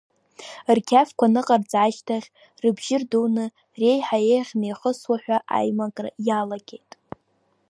Рқьафқәа аныҟарҵа ашьҭахь, рыбжьы рдуны, реиҳа еиӷьны ихысуа ҳәа аимакра иалагеит.